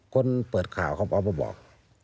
คนเปิดข่าวเขาออกมาบอก